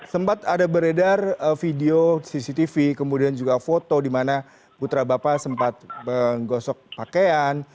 sempat ada beredar video cctv kemudian juga foto di mana putra bapak sempat menggosok pakaian